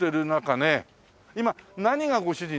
今何がご主人。